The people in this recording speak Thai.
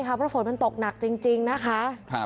เพราะฝนมันตกหนักจริงนะคะ